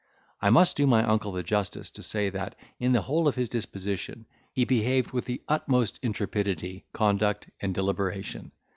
I must do my uncle the justice to say, that in the whole of his disposition, he behaved with the utmost intrepidity, conduct, and deliberation.